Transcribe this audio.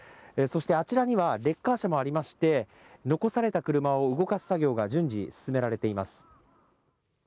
そしてあちらには、レッカー車もありまして、残された車を動かす作業が順次、進められています。